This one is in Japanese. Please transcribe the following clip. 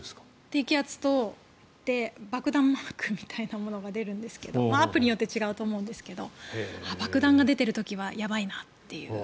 低気圧だと爆弾マークみたいなものが出るんですけどアプリによって違うと思うんですけど爆弾が出ている時はやばいなっていう。